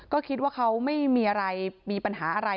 ก็คิดว่าเขาไม่มีอะไรมีปัญหาอะไร